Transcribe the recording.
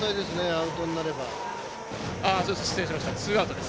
アウトになれば。